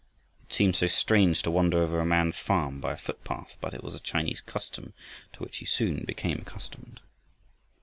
It seemed so strange to wander over a man's farm by a footpath, but it was a Chinese custom to which he soon became accustomed.